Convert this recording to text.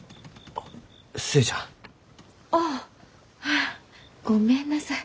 ああっフッごめんなさい。